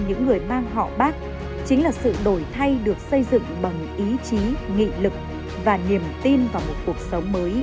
những người mang họ bác chính là sự đổi thay được xây dựng bằng ý chí nghị lực và niềm tin vào một cuộc sống mới ấm no hạnh phúc